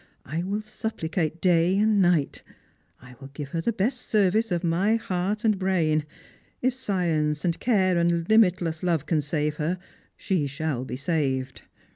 I will supplicate day and night ; I will give her the best service of my heart and biain. If science and care and limitless love can save her, she shall be saved.